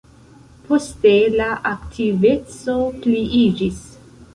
Poste la aktiveco pliiĝis.